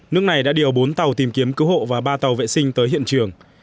nước này đã điều bốn tàu tìm kiếm cứu hộ và ba tàu vệ sinh tới hiện trường